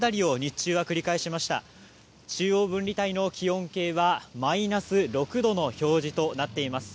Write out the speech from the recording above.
中央分離帯の気温計はマイナス６度の表示となっています。